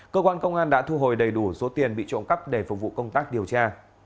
cơ quan công an đã thu hồi đầy đủ số tiền bị trộm cắp để phục vụ công tác điều tra